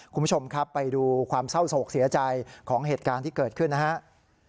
คุณผู้ชมครับไปดูความเศร้าโศกเสียใจของเหตุการณ์ที่เกิดขึ้นนะครับ